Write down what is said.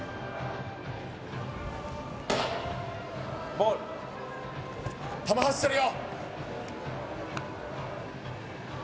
ボール球走ってるよ